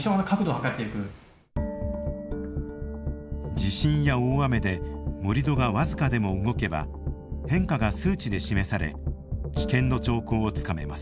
地震や大雨で盛土が僅かでも動けば変化が数値で示され危険の兆候をつかめます。